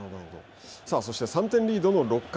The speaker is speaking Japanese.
そして３点リードの６回。